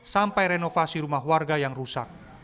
sampai renovasi rumah warga yang rusak